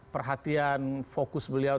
perhatian fokus beliau